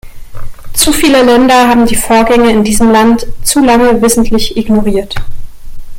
Zu viele Länder haben die Vorgänge in diesem Land zu lange wissentlich ignoriert.